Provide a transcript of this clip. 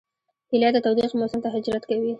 هیلۍ د تودوخې موسم ته هجرت کوي